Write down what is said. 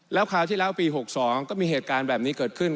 แล้วคราวที่แล้วปี๖๒ก็มีเหตุการณ์แบบนี้เกิดขึ้น